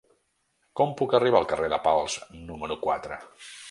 Com puc arribar al carrer de Pals número quatre?